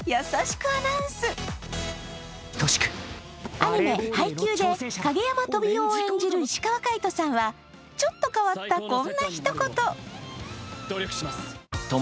アニメ「ハイキュー！！」で影山飛雄を演じる石川界人さんはちょっと変わったこんなひと言。